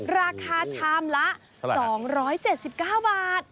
ราคาชามละ๒๗๙บาท